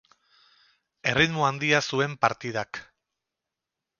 Erritmo handia zuen partidak.